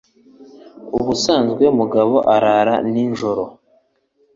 Ubusanzwe Mugabo arara nijoro.